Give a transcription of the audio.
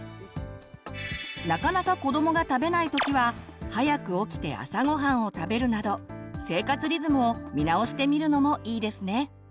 なかなか子どもが食べない時は早く起きて朝ごはんを食べるなど生活リズムを見直してみるのもいいですね。